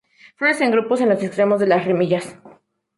Flores en grupos en los extremos de las ramillas.